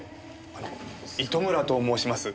あの糸村と申します。